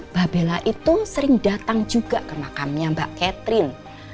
mbak bella itu sering datang juga ke makamnya mbak catherine